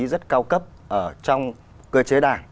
rất cao cấp trong cơ chế đảng